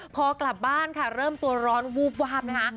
พอกลับบ้านเริ่มตัวร้อนวูบนะฮะ